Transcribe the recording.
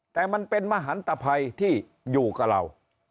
แต่มันเป็นมหันตภัยที่อยู่กับเรา